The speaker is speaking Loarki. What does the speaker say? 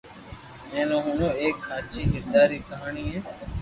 ھين او ھڻو او ايڪ ھاچي ھردا ري ڪہاني ھي